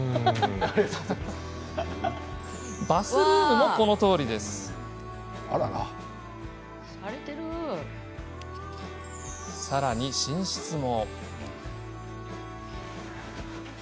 バスルームもこのとおりさらに、寝室も。